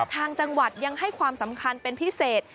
ทางจังหวัดยังให้ความสำคัญเป็นพิเศษ